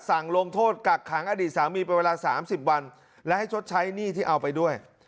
สั่งลงโทษกักขางอดีตสามีไปเวลาสามสิบวันและให้ชดใช้หนี้ที่เอาไปด้วย